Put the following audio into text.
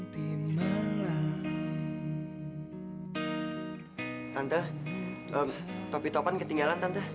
tante em topi topan ketinggalan tante